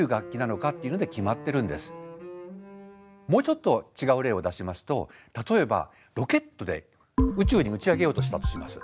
もうちょっと違う例を出しますと例えばロケットで宇宙に打ち上げようとしたとします。